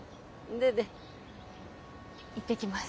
行ってきます。